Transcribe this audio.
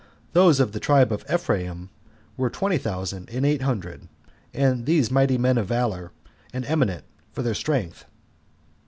Those of the tribe of Ephraim were twenty thousand and eight hundred, and these mighty men of valor, and eminent for their strength.